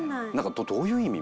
「どういう意味？」